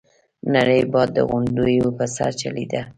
نری باد د غونډيو په سر چلېده.